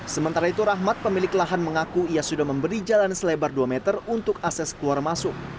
sementara itu rahmat pemilik lahan mengaku ia sudah memberi jalan selebar dua meter untuk akses keluar masuk